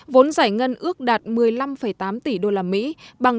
vốn giải ngân ước đạt một mươi năm tám tỷ usd bằng chín mươi bảy sáu